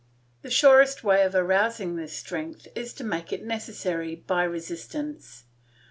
The surest way of arousing this strength is to make it necessary by resistance.